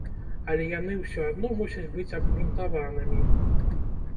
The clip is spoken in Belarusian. Але яны ўсё адно мусяць быць абгрунтаванымі.